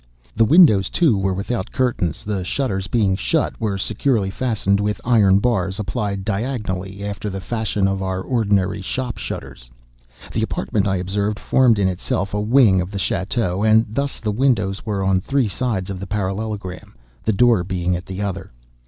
The windows, too, were without curtains; the shutters, being shut, were securely fastened with iron bars, applied diagonally, after the fashion of our ordinary shop shutters. The apartment, I observed, formed, in itself, a wing of the château, and thus the windows were on three sides of the parallelogram, the door being at the other.